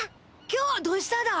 今日はどうしただ？